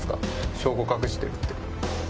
証拠隠してるって。